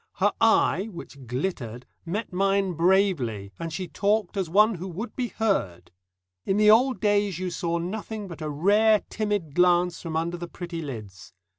Her eye which glittered met mine bravely, and she talked as one who would be heard. In the old days you saw nothing but a rare timid glance from under the pretty lids.